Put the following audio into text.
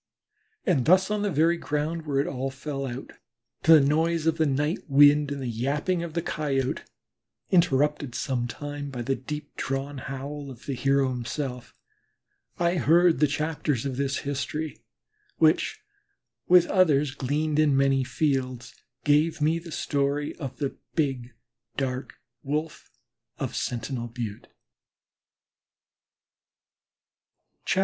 And thus on the very ground where it all fell out, to the noise of the night wind and the yapping of the Coyote, interrupted sometimes by the deep drawn howl of the hero himself, I heard chapters of this history which, with others gleaned in many fields, gave me the story of the Big Dark Wolf of Sentinel Butte.